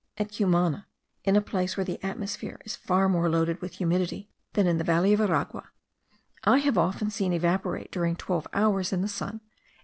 At Cumana, in a place where the atmosphere is far more loaded with humidity than in the valley of Aragua, I have often seen evaporate during twelve hours, in the sun, 8.